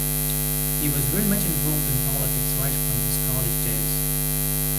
He was very much involved in politics right from his college days.